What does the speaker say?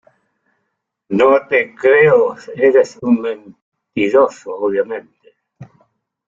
Este álbum obtuvo críticas mixtas a positivas.